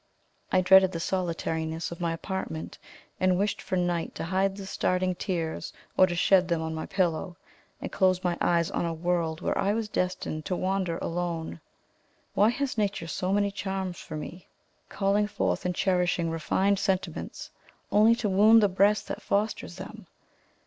I dreaded the solitariness of my apartment, and wished for night to hide the starting tears, or to shed them on my pillow, and close my eyes on a world where I was destined to wander alone. Why has nature so many charms for me calling forth and cherishing refined sentiments, only to wound the breast that fosters them?